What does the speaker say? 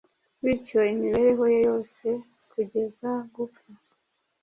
Bityo, imibereho ye yose kugeza gupfa,